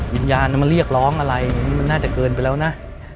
วิญญาณมันเรียกร้องอะไรอย่างนี้มันน่าจะเกินไปแล้วนะ